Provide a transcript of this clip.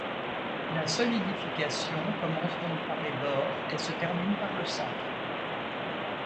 La solidification commence donc par les bords et se termine par le centre.